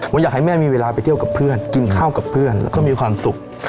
ว่าอยากให้แม่มีเวลาไปเที่ยวกับเพื่อนกินข้าวกับเพื่อนแล้วก็มีความสุข